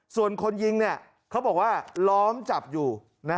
ส่วนคนยิงเขาบอกว่าล้อมจับอยู่